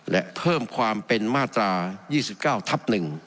และเพิ่มความเป็นมาตรา๒๙ทับ๑